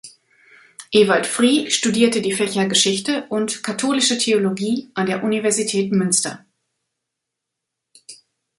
Ewald Frie studierte die Fächer Geschichte und Katholische Theologie an der Universität Münster.